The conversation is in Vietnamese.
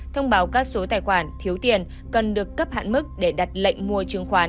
thông báo các số tài khoản thiếu tiền cần được cấp hạn mức để đặt lệnh mua chứng khoán